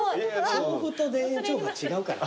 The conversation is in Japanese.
調布と田園調布は違うから。